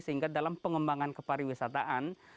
sehingga dalam pengembangan kepariwisataan